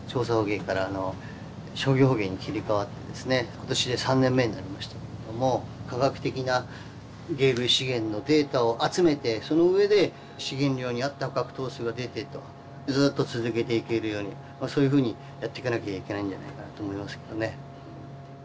今年で３年目になりましたけども科学的な鯨類資源のデータを集めてそのうえで資源量に合った捕獲頭数が出てるとずっと続けていけるようにまあそういうふうにやっていかなきゃいけないんじゃないかと思いますけどね。